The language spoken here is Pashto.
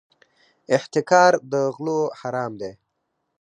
احتکار د غلو حرام دی.